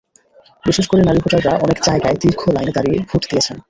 বিশেষ করে নারী ভোটাররা অনেক জায়গায় দীর্ঘ লাইনে দাঁড়িয়ে ভোট দিয়েছেন।